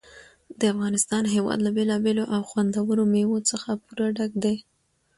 د افغانستان هېواد له بېلابېلو او خوندورو مېوو څخه پوره ډک دی.